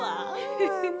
フフフ。